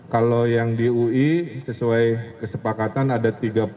kalau yang di ui sesuai kesepakatan ada tiga puluh